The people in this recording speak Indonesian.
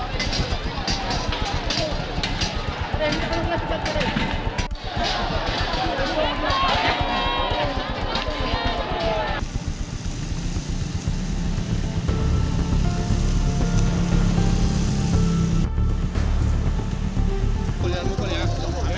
jangan jangan jangan